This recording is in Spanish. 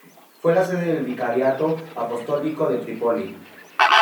Fue la sede del vicariato apostólico de Trípoli.